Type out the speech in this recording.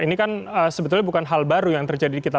ini kan sebetulnya bukan hal baru yang terjadi di kita